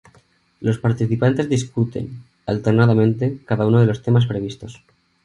Los participantes discuten, alternadamente, cada uno de los temas previstos.